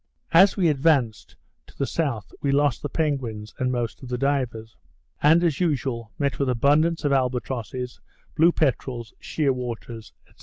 As we advanced to the south, we lost the penguins, and most of the divers; and, as usual, met with abundance of albatrosses, blue peterels, sheer waters, &c.